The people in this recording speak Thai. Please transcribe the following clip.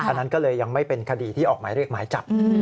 อันนั้นก็เลยยังไม่เป็นคดีที่ออกหมายเรียกหมายจับ